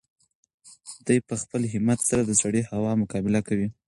دی په خپل همت سره د سړې هوا مقابله کوي.